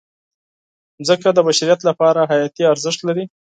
مځکه د بشریت لپاره حیاتي ارزښت لري.